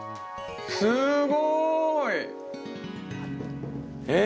すごい！えっ？